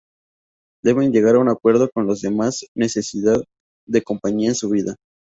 Deben llegar a un acuerdo con los demás necesidad de compañía en su vida.